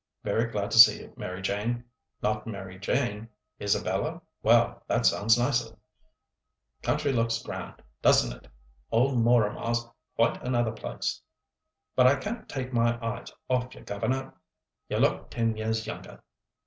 Very glad to see you, Mary Jane. Not Mary Jane? Isabella; well, that sounds nicer—country looks grand, doesn't it? Old Mooramah's quite another place. But I can't take my eyes off you, governor! You look ten years younger."